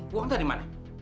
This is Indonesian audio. buang dari mana